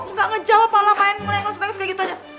enggak ngejawab malah main melengok lenoknya gitu aja